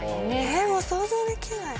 えっもう想像できない。